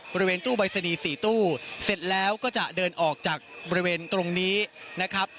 บริเวณตู้ใบสนี๔ตู้เสร็จแล้วก็จะเดินออกจากบริเวณตรงนี้นะครับ